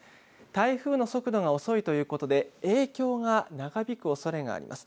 台風の速度が遅いということで、影響が長引くおそれがあります。